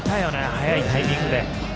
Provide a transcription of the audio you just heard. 早いタイミングで。